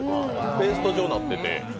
ペースト状になってて。